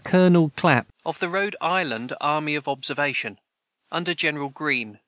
] [Footnote 163: Of the Rhode Island "Army of Observation," under General Greene.